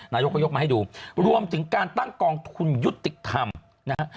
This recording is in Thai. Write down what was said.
นายกก็ยกมาให้ดูรวมถึงการตั้งกองทุนยุติธรรมนะฮะ